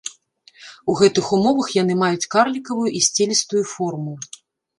У гэтых умовах яны маюць карлікавую і сцелістую форму.